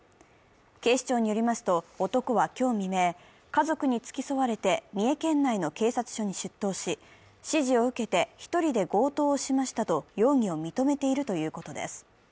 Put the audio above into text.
警視庁によりますと男は今日未明、家族に付き添われて三重県内の警察署に出頭し、指示を受けて１人で強盗をしましたと容疑を認めているということです。